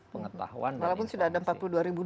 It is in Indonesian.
pengetahuan walaupun sudah ada empat puluh dua ribu